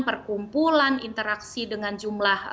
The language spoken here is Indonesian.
perkumpulan interaksi dengan jumlah